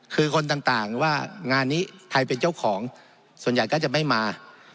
คือคนต่างว่างานนี้ใครเป็นเจ้าของส่วนใหญ่ก็จะไม่มา